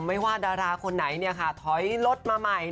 ไม่ว่าดาราคนไหนถอยรถมาใหม่